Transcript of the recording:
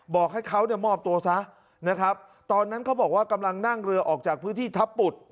บอกให้เขาเนี่ยมอบตัวซะนะครับตอนนั้นเขาบอกว่ากำลังนั่งเรือออกจากพื้นที่ทัพปุด